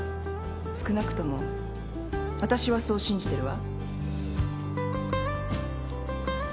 少なくともわたしはそう信じてるわ。